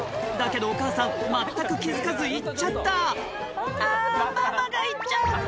だけどお母さん全く気付かず行っちゃった「あぁママが行っちゃう！